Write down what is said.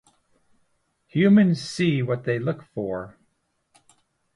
"Humans see what they look for".